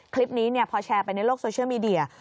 คลิปนี้พอแชร์ไปในโลกโซเชียลมีเดีย